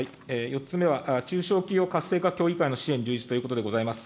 ４つ目は中小企業活性化協議会の支援充実ということでございます。